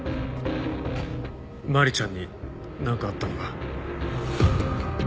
麻里ちゃんになんかあったのか？